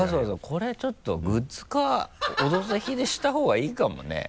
これちょっとグッズ化「オドぜひ」でした方がいいかもね。